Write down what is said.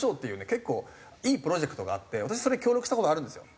結構いいプロジェクトがあって私それに協力した事があるんですよ。